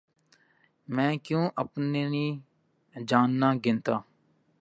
مَیں کیوں اپنی جاننا گننا